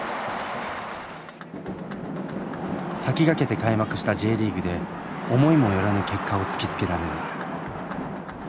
先駆けて開幕したＪリーグで思いも寄らぬ結果を突きつけられる。